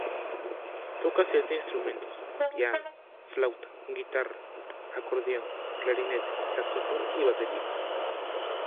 Toca siete instrumentos: piano, flauta, guitarra, acordeón, clarinete, saxofón y batería.